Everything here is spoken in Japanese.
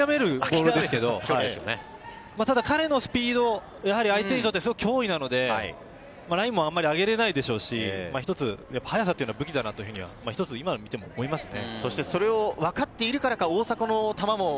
彼のスピード、相手にとって脅威なので、ラインもあんまり上げれないでしょうし、一つ速さというのは武器だなと今のを見ても思いますね。